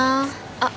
あっ。